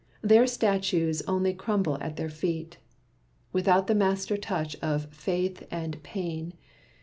Their statues only crumble at their feet, Without the master touch of Faith and Pain.